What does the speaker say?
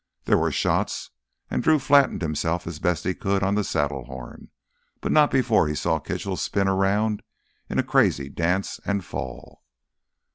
There were shots and Drew flattened himself as best he could on the saddle horn, but not before he saw Kitchell spin around in a crazy dance and fall.